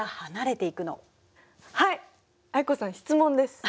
はい藍子さん質問です！